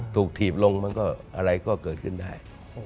ถีบลงมันก็อะไรก็เกิดขึ้นได้